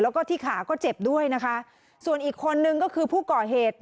แล้วก็ที่ขาก็เจ็บด้วยนะคะส่วนอีกคนนึงก็คือผู้ก่อเหตุ